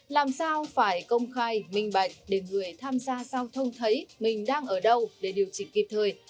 làm sao phải công khai minh bạch để người tham gia giao thông thấy mình đang ở đâu để điều chỉnh kịp thời